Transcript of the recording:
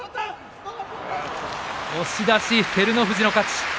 押し出し、照ノ富士の勝ち。